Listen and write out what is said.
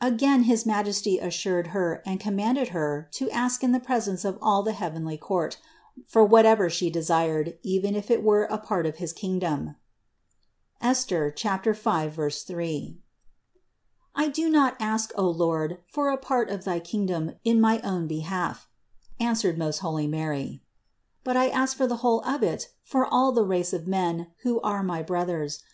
Again his Majesty assured Her and commanded Her to ask in the presence of all the heavenly court, for whatever She desired, even if it were a part of his kingdom (Esther 5, 3). "I do not ask, O Lord, for a part of thy kingdom in my own behalf," answered most holy Mary, "but I ask for the whole of it for all the race of men, who are my brothers.